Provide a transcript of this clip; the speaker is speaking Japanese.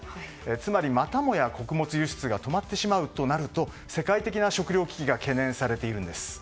つまりまたもや穀物輸出が止まってしまうとなると世界的な食糧危機が懸念されているんです。